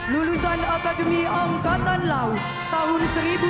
lulusan akademi angkatan laut tahun seribu sembilan ratus sembilan puluh